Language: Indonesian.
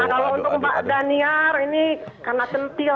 kalau untuk mbak dinar ini karena centil